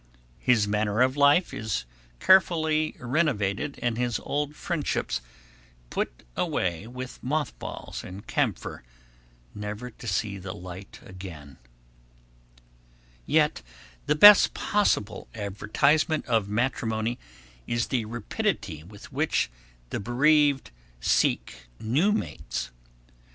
His manner of life is carefully renovated and his old friendships put away with moth balls and camphor, never to see the light again. [Sidenote: The Best Advertisement] Yet the best possible advertisement of matrimony is the rapidity with which the bereaved seek new mates.